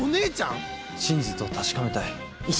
真実を確かめたい。